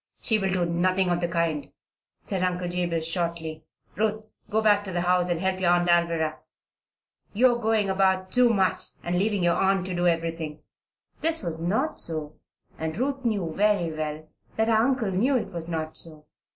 "She will do nothing of the kind," said Uncle Jabez, shortly. "Ruth, go back to the house and help your Aunt Alvirah. You are going about too much and leaving your aunt to do everything." This was not so, and Ruth knew very well that her uncle knew it was not so.